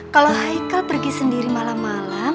kalau haikal pergi sendiri malam malam